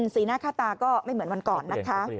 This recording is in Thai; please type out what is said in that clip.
สีหน้าค่าตาก็ไม่เหมือนวันก่อนนะคะ